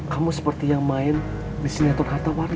kamu seperti yang main di sinetron harta warisan